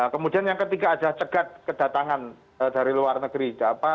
kemudian yang ketiga adalah cegat kedatangan dari luar negeri